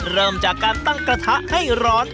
เริ่มจากการตั้งกระทะให้ร้อน